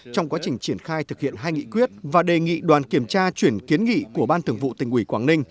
trong quá trình triển khai thực hiện hai nghị quyết và đề nghị đoàn kiểm tra chuyển kiến nghị của ban thường vụ tỉnh ủy quảng ninh